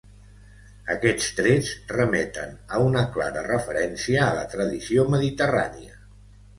Aquests trets remeten a una clara referència a la tradició mediterrània.